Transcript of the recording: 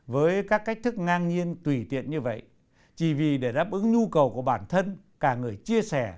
với các cách thức ngang nhiên tùy tiện như vậy chỉ vì để đáp ứng nhu cầu của bản thân cả người chia sẻ